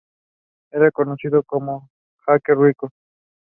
I grew up watching it.